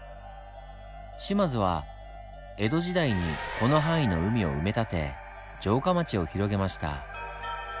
島津は江戸時代にこの範囲の海を埋め立て城下町を広げました。